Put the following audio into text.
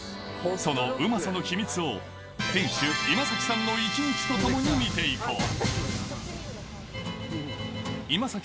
そのうまさの秘密を、店主、今崎さんの一日とともに見ていこう。